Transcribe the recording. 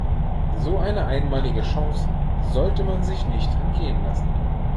So eine einmalige Chance sollte man sich nicht entgehen lassen.